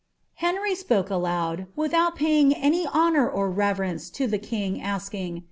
* Henry "poke aloud, without paying any hononr or laTerence to tlw king, asking.